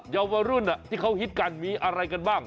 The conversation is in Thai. เยาวรุ่นที่เขาฮิตกันมีอะไรกันบ้าง